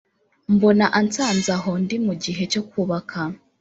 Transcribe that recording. mbona ansanze aho ndi mu gihe cyo kubaka